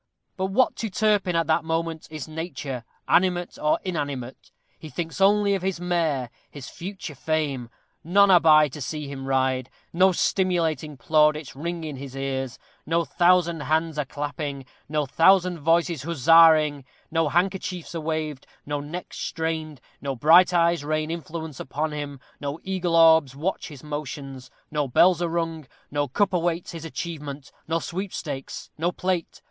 But what to Turpin, at that moment, is nature, animate or inanimate? He thinks only of his mare his future fame. None are by to see him ride; no stimulating plaudits ring in his ears; no thousand hands are clapping; no thousand voices huzzaing; no handkerchiefs are waved; no necks strained; no bright eyes rain influence upon him; no eagle orbs watch his motions; no bells are rung; no cup awaits his achievement; no sweepstakes no plate.